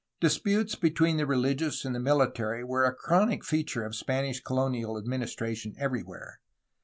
Disputes between the religious and the military were a chronic feature of Spanish colonial administration everywhere.